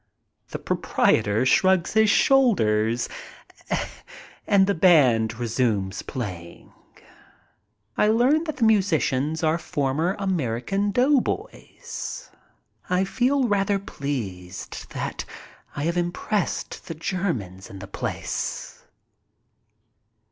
The proprietor shrugs his shoulders and the band resumes playing. I learn that the musicians are former American doughboys. I feel rather pleased that I have impressed the Germans in the place.